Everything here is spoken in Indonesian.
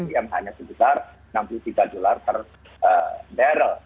yang hanya sebesar enam puluh tiga dolar per barrel